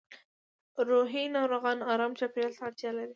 روحي ناروغان ارام چاپېریال ته اړتیا لري